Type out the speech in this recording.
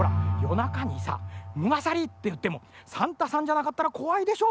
なかにさ「むがさり」っていってもサンタさんじゃなかったらこわいでしょ。